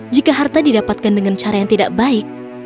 jika harta didapatkan dengan cara yang tidak baik